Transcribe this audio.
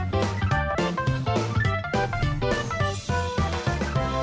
โปรดติดตามตอนต่อไป